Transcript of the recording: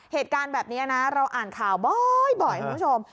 เหตุการณ์แบบนี้นะเราอ่านข่าวบ่อยคุณผู้ชม